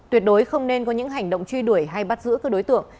tuyệt đối không nên có những hành động truy đuổi hay bắt giữ các đối tượng